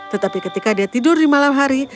tetapi ketika dia tidur di malam hari